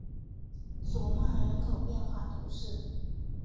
索曼人口变化图示